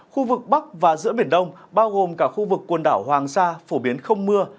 khu vực bắc và giữa biển đông bao gồm cả khu vực quần đảo hoàng sa phổ biến không mưa